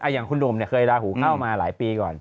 อย่างคุณหนุ่มเคยลาหูเข้ามาหลายปีก่อน